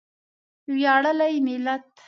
ویاړلی ملت.